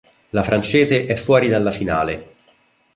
La francese è fuori dalla finale.